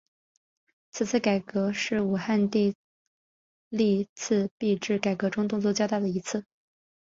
此次改革是汉武帝历次币制改革中动作较大的一次。